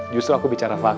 justru aku bicara fakta mak